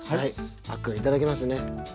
あっくんいただきますね。